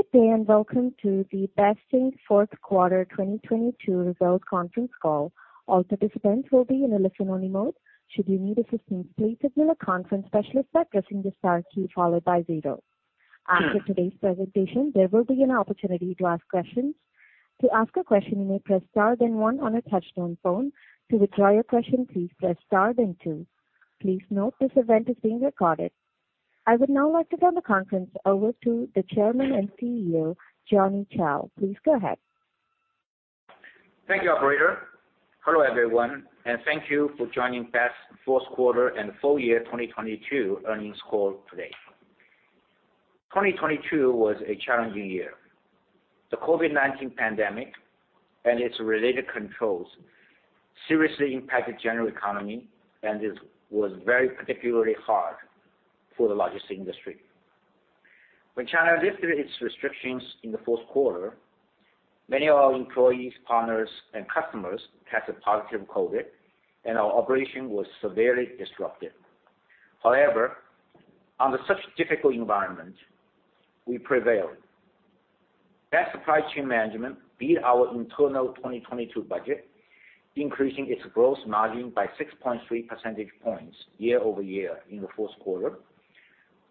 Good day, welcome to the BEST Inc fourth quarter 2022 results conference call. All participants will be in a listen-only mode. Should you need assistance, please signal a conference specialist by pressing the star key followed by zero. After today's presentation, there will be an opportunity to ask questions. To ask a question, you may press star then one on a touch-tone phone. To withdraw your question, please press star then two. Please note, this event is being recorded. I would now like to turn the conference over to the Chairman and CEO, Johnny Chou. Please go ahead. Thank you, operator. Hello, everyone, thank you for joining BEST fourth quarter and full year 2022 earnings call today. 2022 was a challenging year. The COVID-19 pandemic and its related controls seriously impacted general economy, it was very particularly hard for the logistics industry. When China lifted its restrictions in the fourth quarter, many of our employees, partners, and customers tested positive for COVID, our operation was severely disrupted. However, under such difficult environment, we prevailed. BEST Supply Chain Management beat our internal 2022 budget, increasing its gross margin by 6.3 percentage points year-over-year in the fourth quarter,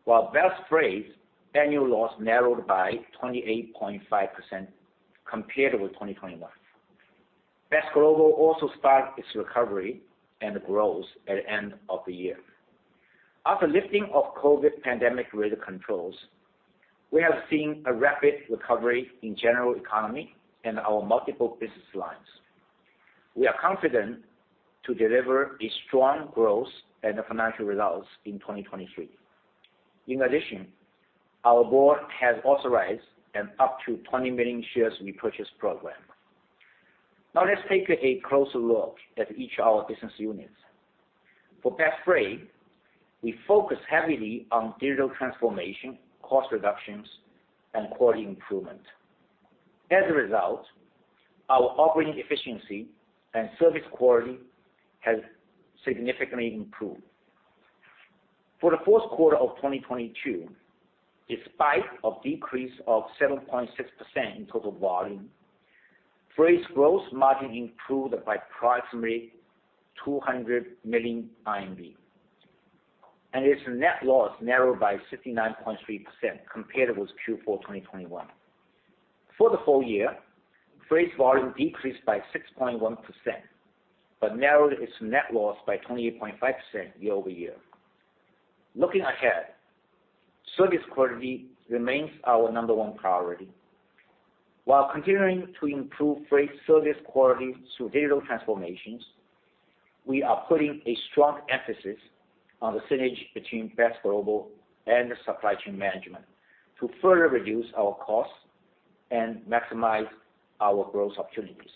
while BEST Freight annual loss narrowed by 28.5% compared with 2021. BEST Global also sparked its recovery and growth at the end of the year. After lifting of COVID-19 pandemic-related controls, we have seen a rapid recovery in general economy and our multiple business lines. We are confident to deliver a strong growth and financial results in 2023. Our board has authorized an up to 20 million shares repurchase program. Let's take a closer look at each of our business units. For BEST Freight, we focus heavily on digital transformation, cost reductions, and quality improvement. Our operating efficiency and service quality has significantly improved. For the fourth quarter of 2022, despite a decrease of 7.6% in total volume, Freight's gross margin improved by approximately 200 million RMB, and its net loss narrowed by 69.3% compared with Q4 2021. For the full year, Freight's volume decreased by 6.1% but narrowed its net loss by 28.5% year-over-year. Looking ahead, service quality remains our number one priority. While continuing to improve Freight service quality through digital transformations, we are putting a strong emphasis on the synergy between BEST Global and Supply Chain Management to further reduce our costs and maximize our growth opportunities.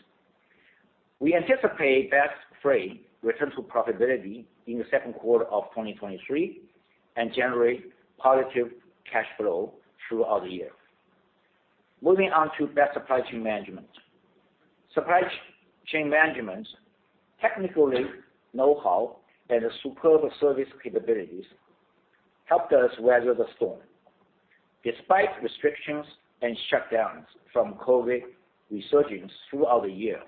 We anticipate BEST Freight return to profitability in the second quarter of 2023 and generate positive cash flow throughout the year. Moving on to BEST Supply Chain Management. Supply Chain Management's technically know-how and superb service capabilities helped us weather the storm. Despite restrictions and shutdowns from COVID-19 resurgings throughout the year,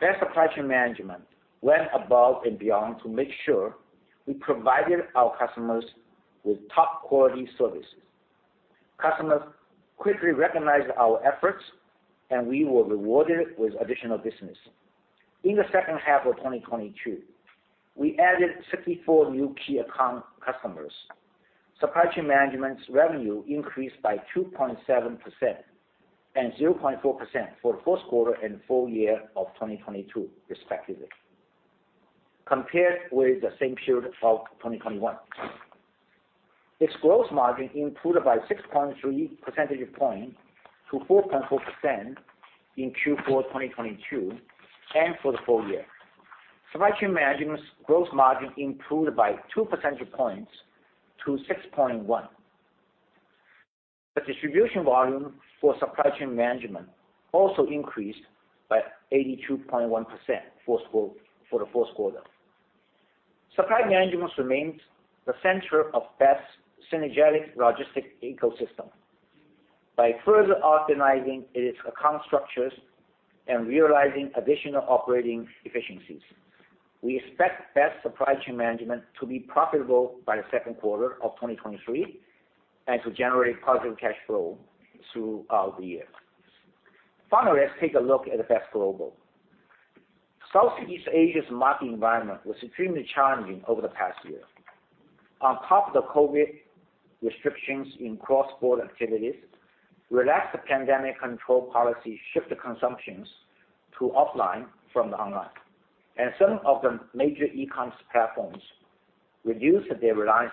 BEST Supply Chain Management went above and beyond to make sure we provided our customers with top-quality services. Customers quickly recognized our efforts, we were rewarded with additional business. In the second half of 2022, we added 64 new key account customers. Supply Chain Management's revenue increased by 2.7% and 0.4% for the fourth quarter and full year of 2022, respectively, compared with the same period of 2021. Its gross margin improved by 6.3 percentage points to 4.4% in Q4 2022 and for the full year. Supply Chain Management's gross margin improved by 2 percentage points to 6.1%. The distribution volume for Supply Chain Management also increased by 82.1% for the fourth quarter. Supply Chain Management remains the center of BEST's synergetic logistics ecosystem. By further organizing its account structures and realizing additional operating efficiencies, we expect BEST Supply Chain Management to be profitable by the second quarter of 2023 and to generate positive cash flow throughout the year. Finally, let's take a look at BEST Global. Southeast Asia's market environment was extremely challenging over the past year. On top of the COVID restrictions in cross-border activities, relaxed pandemic control policies shifted consumptions to offline from the online, and some of the major e-coms platforms reduced their reliance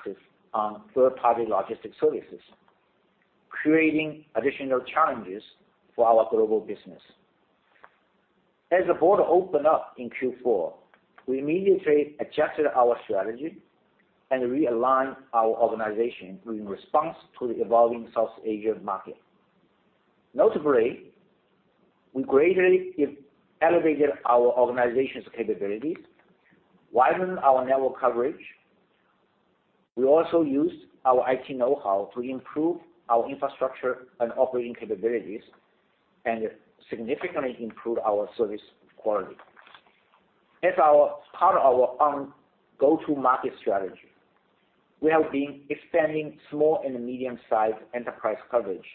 on third-party logistics services, creating additional challenges for our global business. As the border opened up in Q4, we immediately adjusted our strategy and realigned our organization in response to the evolving Southeast Asia market. We greatly elevated our organization's capabilities, widened our network coverage. We also used our IT know-how to improve our infrastructure and operating capabilities, and significantly improved our service quality. As part of our on-go-to-market strategy, we have been expanding small and medium-sized enterprise coverage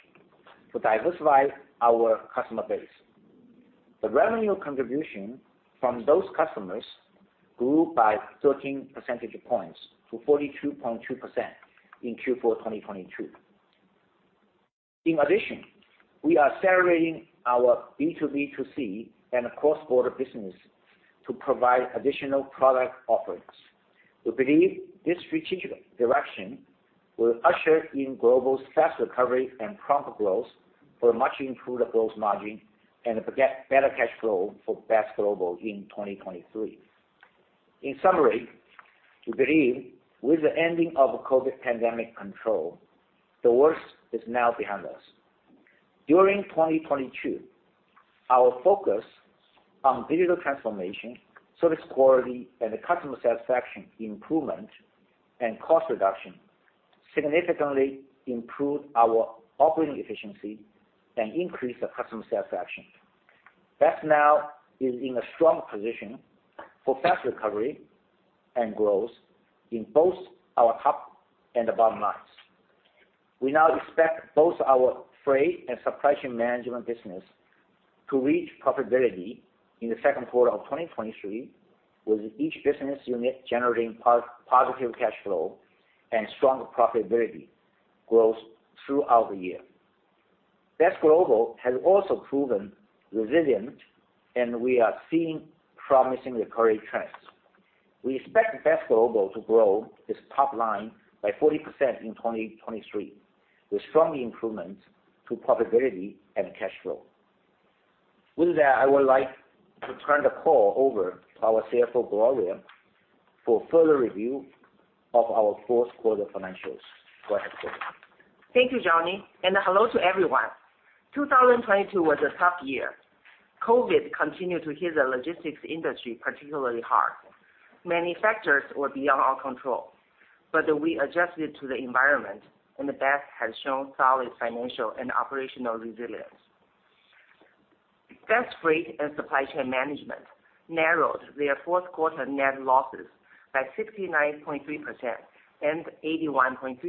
to diversify our customer base. The revenue contribution from those customers grew by 13 percentage points to 42.2% in Q4 2022. In addition, we are accelerating our B2B2C and cross-border business to provide additional product offerings. We believe this strategic direction will usher in BEST Global's fast recovery and profit growth for a much improved gross margin and a better cash flow for BEST Global in 2023. In summary, we believe with the ending of COVID-19 pandemic control, the worst is now behind us. During 2022, our focus on digital transformation, service quality, and customer satisfaction improvement and cost reduction significantly improved our operating efficiency and increased the customer satisfaction. BEST now is in a strong position for fast recovery and growth in both our top and bottom lines. We now expect both our Freight and Supply Chain Management business to reach profitability in the second quarter of 2023, with each business unit generating positive cash flow and strong profitability growth throughout the year. BEST Global has also proven resilient. We are seeing promising recovery trends. We expect BEST Global to grow its top line by 40% in 2023, with strong improvements to profitability and cash flow. With that, I would like to turn the call over to our CFO, Gloria, for further review of our fourth quarter financials. Go ahead, Gloria. Thank you, Johnny. Hello to everyone. 2022 was a tough year. COVID continued to hit the logistics industry particularly hard. Many factors were beyond our control, but we adjusted to the environment, and BEST has shown solid financial and operational resilience. BEST Freight and Supply Chain Management narrowed their fourth quarter net losses by 69.3% and 81.3%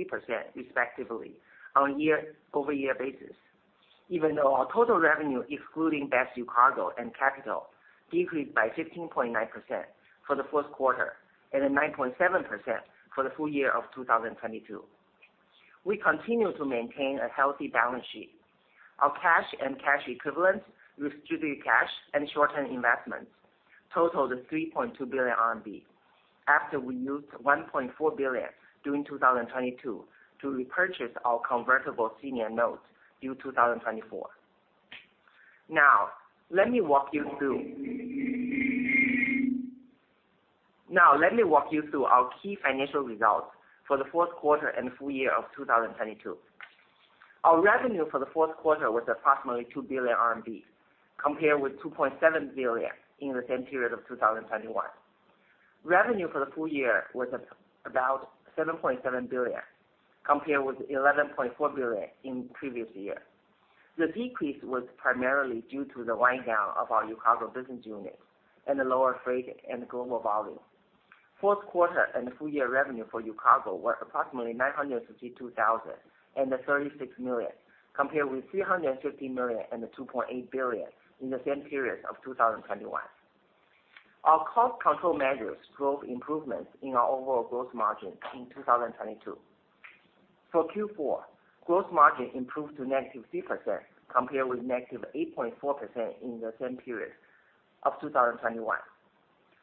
respectively on a year-over-year basis, even though our total revenue excluding BEST UCargo and Capital decreased by 15.9% for the fourth quarter and 9.7% for the full year of 2022. We continue to maintain a healthy balance sheet. Our cash and cash equivalents restricted cash and short-term investments totaled 3.2 billion RMB after we used 1.4 billion during 2022 to repurchase our convertible senior notes due 2024. Let me walk you through our key financial results for the fourth quarter and full year of 2022. Our revenue for the fourth quarter was approximately 2 billion RMB, compared with 2.7 billion in the same period of 2021. Revenue for the full year was about 7.7 billion, compared with 11.4 billion in previous year. The decrease was primarily due to the wind down of our UCargo business unit and the lower freight and global volume. Fourth quarter and full year revenue for UCargo were approximately 962,000 and 36 million, compared with 350 million and 2.8 billion in the same period of 2021. Our cost control measures drove improvements in our overall growth margin in 2022. For Q4, gross margin improved to -3% compared with -8.4% in the same period of 2021.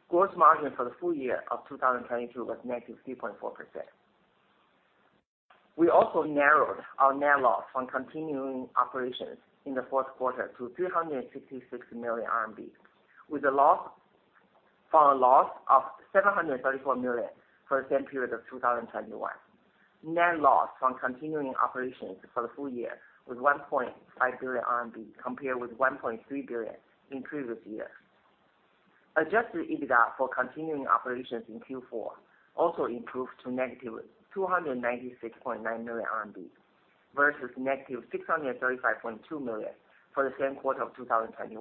Gross margin for the full year of 2022 was -3.4%. We also narrowed our net loss from continuing operations in the fourth quarter to 366 million RMB, from a loss of 734 million for the same period of 2021. Net loss from continuing operations for the full year was 1.5 billion RMB compared with 1.3 billion in previous years. Adjusted EBITDA for continuing operations in Q4 also improved to negative 296.9 million RMB versus negative 635.2 million for the same quarter of 2021.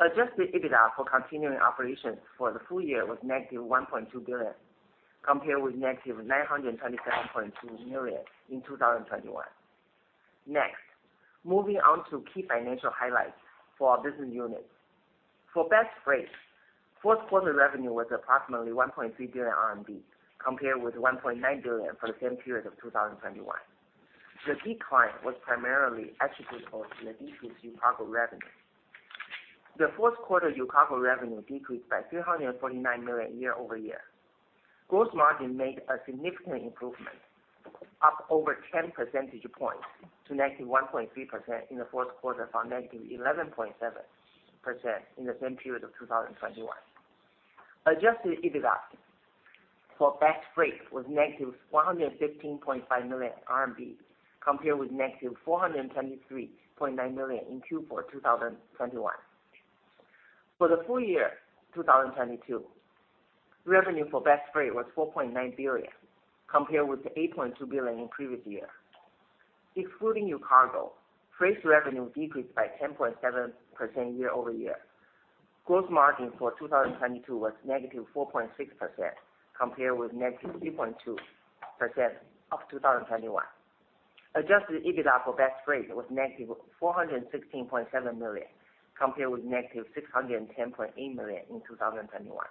Adjusted EBITDA for continuing operations for the full year was negative 1.2 billion, compared with negative 927.2 million in 2021. Moving on to key financial highlights for our business units. For BEST Freight, fourth quarter revenue was approximately 1.3 billion RMB, compared with 1.9 billion for the same period of 2021. The decline was primarily attributable to the decrease UCargo revenue. The fourth quarter UCargo revenue decreased by 349 million year-over-year. Gross margin made a significant improvement, up over 10 percentage points to -1.3% in the fourth quarter from -11.7% in the same period of 2021. Adjusted EBITDA for BEST Freight was -115.5 million RMB compared with -423.9 million in Q4 2021. For the full year 2022, revenue for BEST Freight was 4.9 billion compared with the 8.2 billion in previous year. Excluding UCargo, freight revenue decreased by 10.7% year-over-year. Gross margin for 2022 was -4.6% compared with -3.2% of 2021. Adjusted EBITDA for BEST Freight was -416.7 million, compared with -610.8 million in 2021.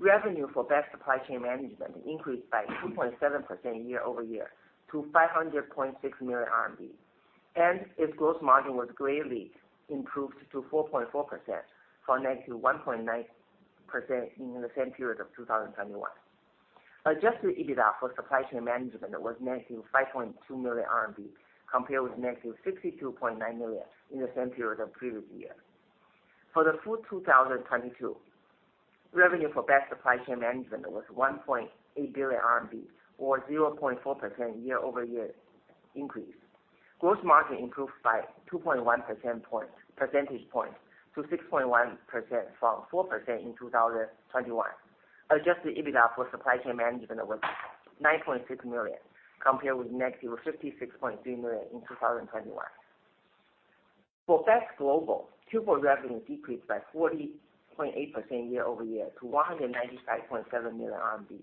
Revenue for BEST Supply Chain Management increased by 2.7% year-over-year to 500.6 million RMB, and its gross margin was greatly improved to 4.4% from -1.9% in the same period of 2021. Adjusted EBITDA for BEST Supply Chain Management was -5.2 million RMB, compared with -62.9 million in the same period of previous year. For the full 2022, revenue for BEST Supply Chain Management was 1.8 billion RMB, or 0.4% year-over-year increase. Gross margin improved by 2.1 percentage point to 6.1% from 4% in 2021. Adjusted EBITDA for Supply Chain Management was 9.6 million, compared with negative 56.3 million in 2021. For BEST Global, Q4 revenue decreased by 40.8% year-over-year to 195.7 million RMB,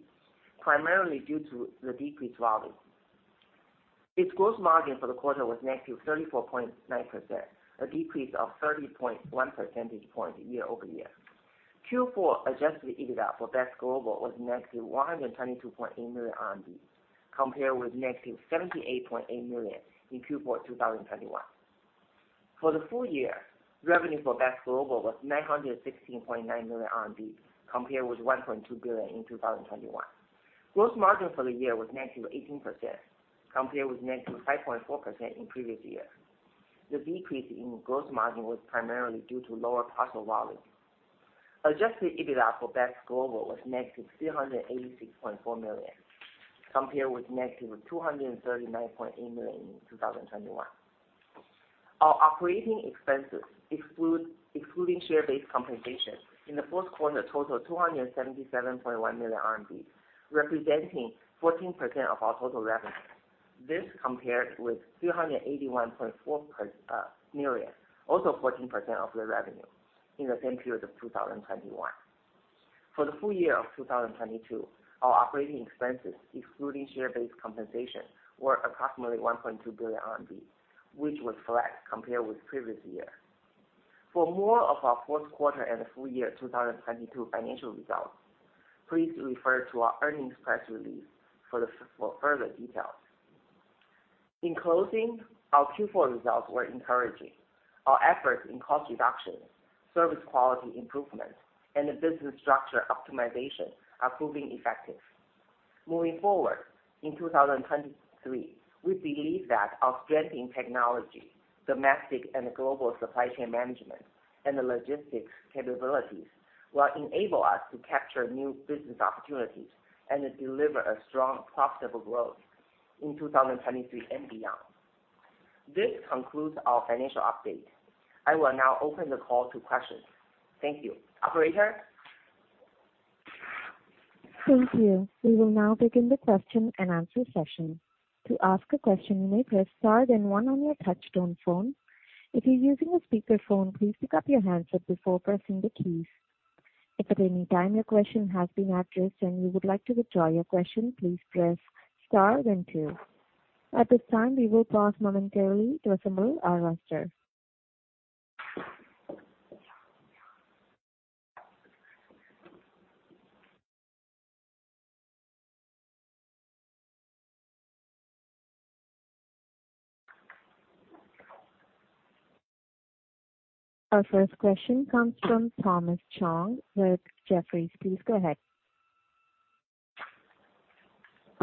primarily due to the decreased volume. Its gross margin for the quarter was negative 34.9%, a decrease of 30.1 percentage points year-over-year. Q4 Adjusted EBITDA for BEST Global was -122.8 million RMB, compared with -78.8 million in Q4 2021. For the full year, revenue for BEST Global was 916.9 million RMB, compared with 1.2 billion in 2021. Gross margin for the year was negative 18%, compared with negative 5.4% in previous year. The decrease in gross margin was primarily due to lower parcel volume. Adjusted EBITDA for BEST Global was -386.4 million, compared with -239.8 million in 2021. Our operating expenses excluding share-based compensation in the fourth quarter totaled 277.1 million RMB, representing 14% of our total revenue. This compared with 381.4 million, also 14% of the revenue in the same period of 2021. For the full year of 2022, our operating expenses excluding share-based compensation were approximately 1.2 billion RMB, which was flat compared with previous year. For more of our fourth quarter and full year 2022 financial results, please refer to our earnings press release for further details. In closing, our Q4 results were encouraging. Our efforts in cost reduction, service quality improvement, and the business structure optimization are proving effective. Moving forward, in 2023, we believe that our strength in technology, domestic and global Supply Chain Management and the logistics capabilities will enable us to capture new business opportunities and deliver a strong profitable growth in 2023 and beyond. This concludes our financial update. I will now open the call to questions. Thank you. Operator? Thank you. We will now begin the question and answer session. To ask a question, you may press star then one on your touch-tone phone. If you're using a speakerphone, please pick up your handset before pressing the keys. If at any time your question has been addressed and you would like to withdraw your question, please press star then two. At this time, we will pause momentarily to assemble our roster. Our first question comes from Thomas Chong with Jefferies. Please go ahead.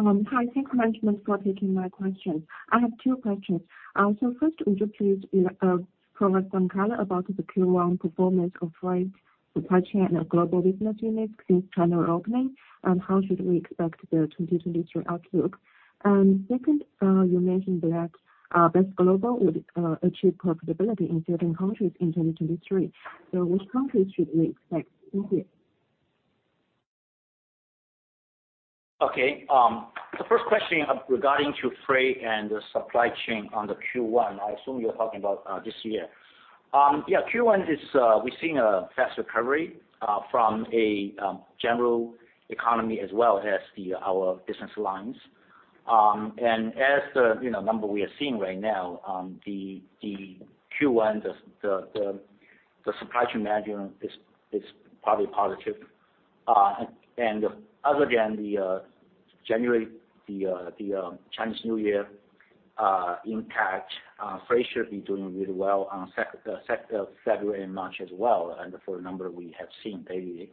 Hi. Thank you management for taking my question. I have two questions. First, would you please provide some color about the Q1 performance of Freight, Supply Chain and Global business units since China reopening, and how should we expect the 2023 outlook? Second, you mentioned that BEST Global would achieve profitability in certain countries in 2023. Which countries should we expect to be? Okay. The first question regarding to Freight and Supply Chain on the Q1, I assume you're talking about this year. Yeah, Q1 is we're seeing a fast recovery from a general economy as well as our business lines. As the, you know, number we are seeing right now, the Q1, the Supply Chain Management is probably positive. As again the January, the Chinese New Year impact, Freight should be doing really well on February and March as well and for the number we have seen daily.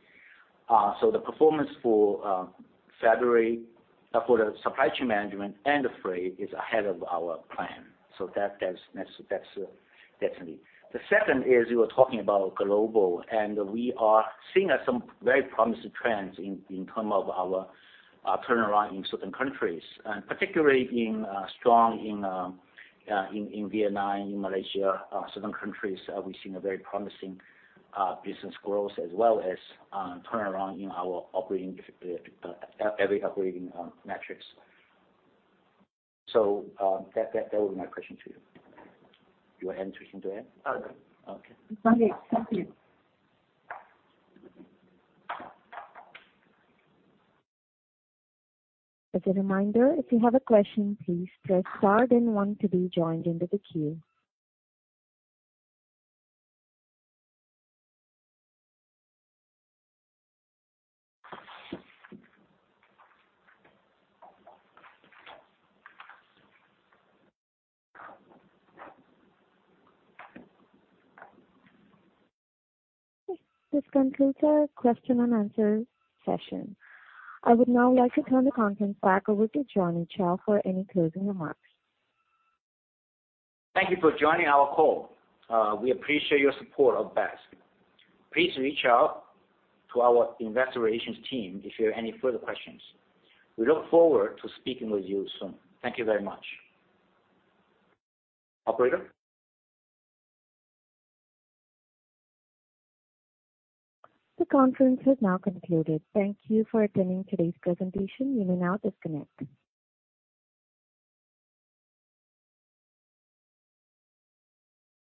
The performance for February, for the Supply Chain Management and the Freight is ahead of our plan. That's definitely. The second is you were talking about BEST Global and we are seeing some very promising trends in term of our turnaround in certain countries, particularly in strong in Vietnam, in Malaysia. Certain countries, we've seen a very promising business growth as well as turnaround in our operating every operating metrics. That would be my question to you. You were answering to it? Oh, no. Okay. Okay. Thank you. As a reminder, if you have a question, please press star then one to be joined into the queue. This concludes our question and answer session. I would now like to turn the conference back over to Johnny Chou for any closing remarks. Thank you for joining our call. We appreciate your support of BEST. Please reach out to our investor relations team if you have any further questions. We look forward to speaking with you soon. Thank you very much. Operator? The conference has now concluded. Thank you for attending today's presentation. You may now disconnect.